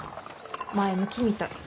前向きみたい。